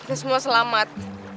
kita semua selamat